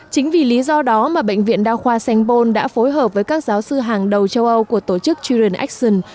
chính vì lý do đó mà bệnh viện đa khoa sanh pôn đã phối hợp với các giáo sư hàng đầu châu âu của tổ chức children action